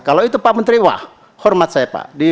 kalau itu pak menteri wah hormat saya pak